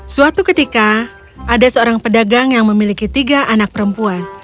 suatu ketika ada seorang pedagang yang memiliki tiga anak perempuan